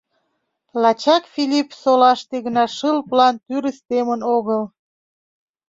Лачак Филиппсолаште гына шыл план тӱрыс темын огыл.